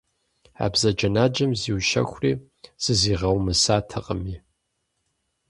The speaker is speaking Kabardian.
А бзаджэнаджэм зиущэхури зызигъэумысатэкъыми.